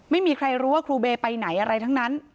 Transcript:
ไม่มีใครรู้ว่าครูเบย์ไปไหนอะไรทั้งนั้น